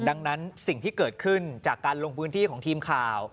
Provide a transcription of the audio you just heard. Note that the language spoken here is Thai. ดังนั้นสิ่งที่เกิดขึ้นจากการลงพื้นที่ของทีมข่าว